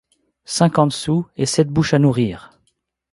Cinquante sous, et sept bouches à nourrir!